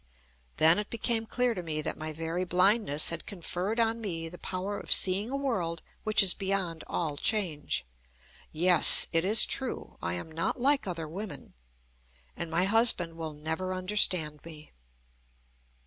Then it became clear to me that my very blindness had conferred on me the power of seeing a world which is beyond all change. Yes! It is true. I am not like other women. And my husband will never understand me.